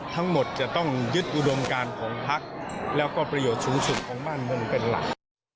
ทั้งหมดจะต้องยึดอุดมการของพักแล้วก็ประโยชน์สูงสุดของบ้านเมืองเป็นหลัก